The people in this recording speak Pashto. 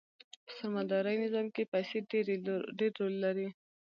په سرمایه داري نظام کښې پیسې ډېر رول لري.